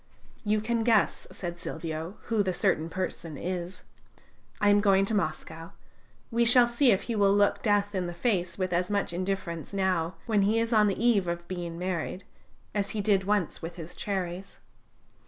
"You can guess," said Silvio, "who the certain person is. I am going to Moscow. We shall see if he will look death in the face with as much indifference now, when he is on the eve of being married, as he did once with his cherries!"